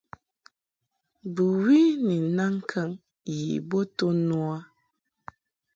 Bɨwi ni naŋ ŋkaŋ yi bo to no a.